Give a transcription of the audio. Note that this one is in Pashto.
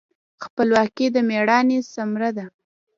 خپلواکي د میړانې ثمره ده.